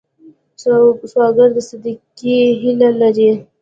سوالګر د صدقې هیله لري